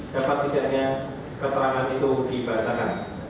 dapat tidaknya keterangan itu dibacakan